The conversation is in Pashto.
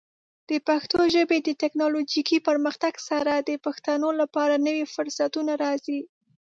د پښتو ژبې د ټیکنالوجیکي پرمختګ سره، د پښتنو لپاره نوې فرصتونه راځي.